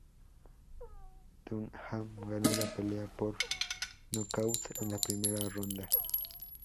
Dunham ganó la pelea por nocaut en la primera ronda.